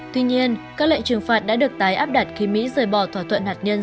tuy nhiên các lệnh trừng phạt đã được tái áp đặt khi mỹ rời bỏ thỏa thuận hạt nhân